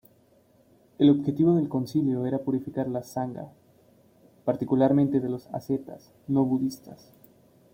El objetivo del concilio era purificar la sangha, particularmente de los ascetas no budistas.